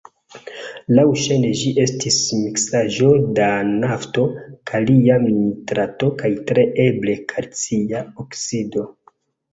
Laŭŝajne ĝi estis miksaĵo da nafto, kalia nitrato kaj tre eble kalcia oksido.